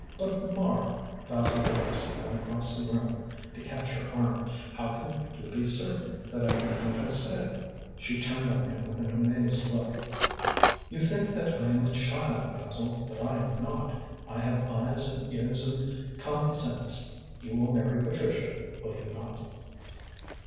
"But, Mara!" Basil rose and ran across the room to catch her arm. "How can you be certain that I mean what I say?" She turned on him with an amazed look. "You think that I am a child, Basil, but I am not. I have eyes and ears and common sense. You will marry Patricia, will you not?"